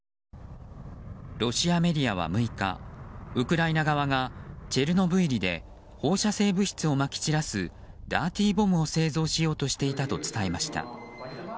ロシアメディアは６日ウクライナ側がチェルノブイリで放射性物質をまき散らすダーティーボムを製造しようとしていたと伝えました。